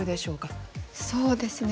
そうですね。